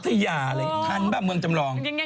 พัทยาเลยทันป่ะเมืองจำลอง